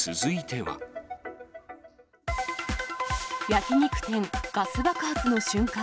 焼き肉店、ガス爆発の瞬間。